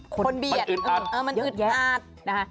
คนเบียดมันอึดอัดมันอึดอัดมันเยอะนะคะ